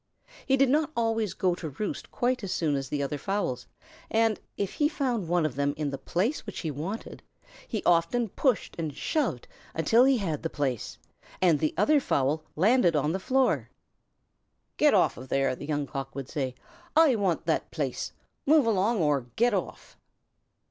He did not always go to roost quite as soon as the other fowls and, if he found one of them in the place which he wanted, he often pushed and shoved until he had the place and the other fowl landed on the floor. "Get off of there," the Young Cock would say. "I want that place. Move along or get off!"